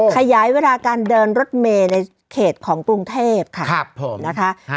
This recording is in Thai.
ขยายเวลาการเดินรถเมย์ในเขตของกรุงเทพค่ะนะคะ